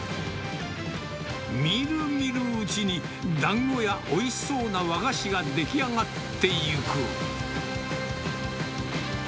みるみるうちに、だんごやおいしそうな和菓子が出来上がっていく。